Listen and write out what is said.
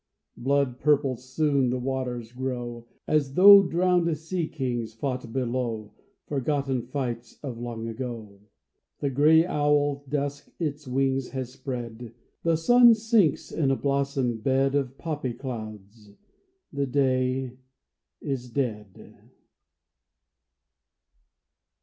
Blood purple soon the waters grow, As though drowned sea kings fought below Forgotten fights of long ago. The gray owl Dusk its wings has spread ; The sun sinks in a blossom bed Of poppy clouds ; the day is dead.